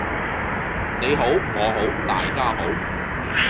你好我好大家好